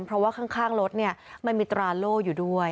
เพราะว่าข้างรถมันมีตราโล่อยู่ด้วย